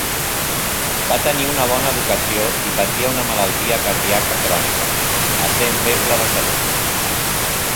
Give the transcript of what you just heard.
Va tenir una bona educació i patia una malaltia cardíaca crònica, essent feble de salut.